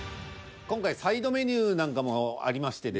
今回サイドメニューなんかもありましてですね